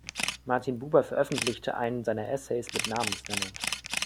Martin Buber veröffentlichte einen seiner Essays mit Namensnennung.